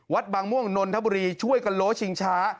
บางม่วงนนทบุรีช่วยกันโลชิงช้า